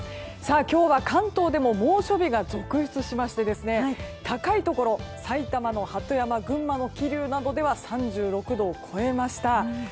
今日は関東でも猛暑日が続出しまして高いところ埼玉の鳩山群馬の桐生などでは３６度を超えました。